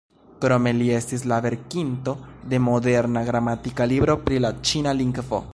Krome li estis la verkinto de moderna gramatika libro pri la ĉina lingvo.